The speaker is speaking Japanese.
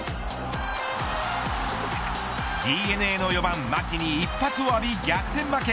ＤｅＮＡの４番牧に一発を浴び、逆転負け。